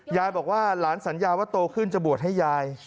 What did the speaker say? ยายบอกว่าหลานสัญญาว่าโตขึ้นจะบวชให้ยาย